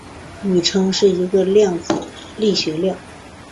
宇称是一个量子力学量。